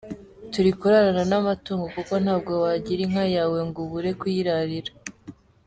Turi kurarana n’amatungo kuko ntabwo wagira inka yawe ngo ubure kuyirarira.